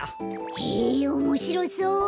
へえおもしろそう。